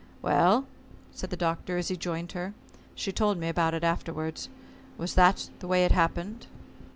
"Well," said the Doctor, as he joined her she told me about it afterwards "was that the way it happened?"